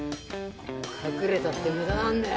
「隠れたって無駄なんだよ」